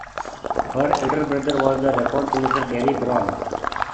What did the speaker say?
Her elder brother was the record producer Gerry Bron.